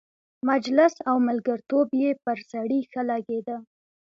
مجلس او ملګرتوب یې پر سړي ښه لګېده.